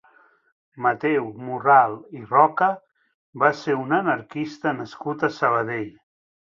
Mateu Morral i Roca va ser un anarquista nascut a Sabadell.